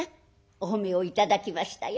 お褒めを頂きましたよ。